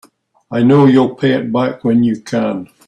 I know you'll pay it back when you can.